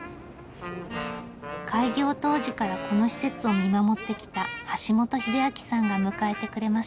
開業当時からこの施設を見守ってきた橋本秀昭さんが迎えてくれました。